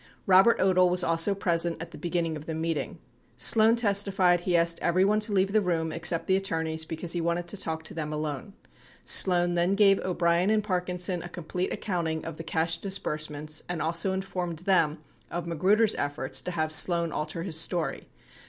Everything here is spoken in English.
Robert Odle was also present at the beginning of the meeting. Sloan testified he asked everyone to leave the room except the attorneys because he wanted to talk to them alone. 79 Sloan then gave O'Brien and Parkinson a complete accounting of the cash disburse ments and also informed them of Magruder's efforts to have Sloan alter his story.